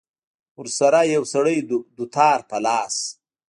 ورسره يو سړى دوتار په لاس.